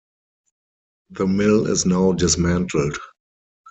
The mill is now dismantled.